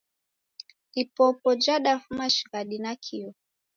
Ipopo jhadafuma shighadi nakio